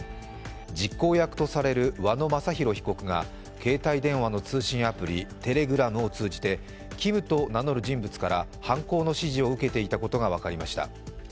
実行役とされる和野正弘被告が携帯電話の通信アプリ、Ｔｅｌｅｇｒａｍを通じてＫｉｍと名乗る人物から犯行の指示を受けていたことが分かりました。